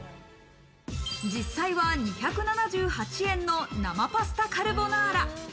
実際は２７８円の「生パスタカルボナーラ」。